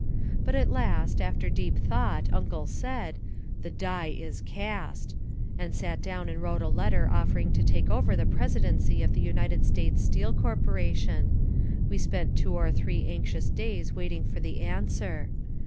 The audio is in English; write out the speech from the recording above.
But at last, after deep thought, Uncle said, "The die is cast," and sat down and wrote a letter offering to take over the presidency of the United States Steel Corporation. We spent two or three anxious days waiting for the answer.